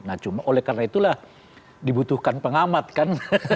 nah cuma oleh karena itulah dibutuhkan pengamat kan